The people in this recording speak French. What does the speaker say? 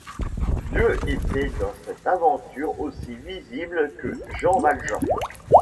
Dieu était dans cette aventure aussi visible que Jean Valjean.